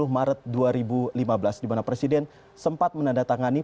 dua puluh maret dua ribu lima belas di mana presiden sempat menandatangani